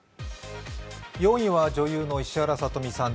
４位は女優の石原さとみさん